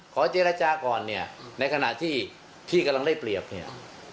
ขอเจรจาก่อนเนี่ยในขณะที่พี่กำลังได้เปรียบเนี่ย